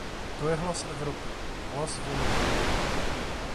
To je hlas Evropy, hlas voličů.